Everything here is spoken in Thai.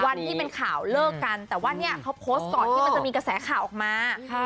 วันที่เป็นข่าวเลิกกันแต่ว่าเนี่ยเขาโพสต์ก่อนที่มันจะมีกระแสข่าวออกมา